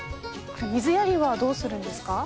水やりはどうするんですか？